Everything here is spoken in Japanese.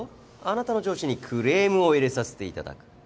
あなたの上司にクレームを入れさせていただく。